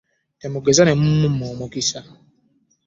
Temugeza ne mumumma omukisa.